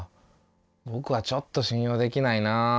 ぼくはちょっと信用できないなあ。